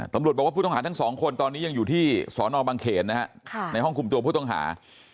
ตำรวจบอกพุทธฒาทั้ง๒คนตอนนี้ยังอยู่ที่สรนอบังเข็นนะในห้องคุมตัวพุทธฒา